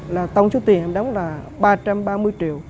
là tổng số tiền đóng là ba trăm ba mươi triệu